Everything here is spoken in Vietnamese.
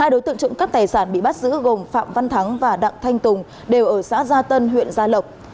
hai đối tượng trộm cắp tài sản bị bắt giữ gồm phạm văn thắng và đặng thanh tùng đều ở xã gia tân huyện gia lộc